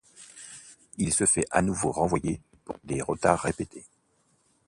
Il se fait à nouveau renvoyer pour des retards répétés.